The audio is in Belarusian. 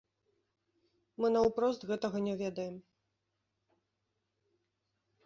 Мы наўпрост гэтага не ведаем.